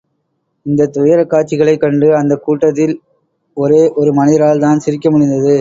இந்தத் துயரக் காட்சிகளைக் கண்டு அந்தக் கூட்டத்தில் ஒரே ஒரு மனிதரால் தான் சிரிக்க முடிந்தது.